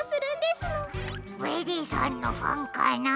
ベリーさんのファンかな？